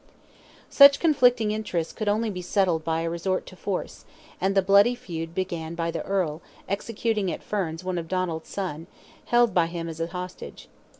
Such conflicting interests could only be settled by a resort to force, and the bloody feud began by the Earl executing at Ferns one of Donald's sons, held by him as a hostage.